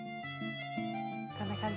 こんな感じ？